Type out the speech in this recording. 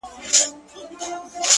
زما په لاس كي هتكړۍ داخو دلې ويـنـمـه.